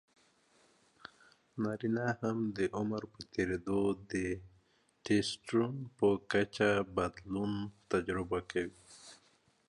نارینه هم د عمر په تېریدو د ټیسټسټرون په کچه بدلون تجربه کوي.